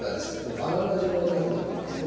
バナナ状になってくるんですね。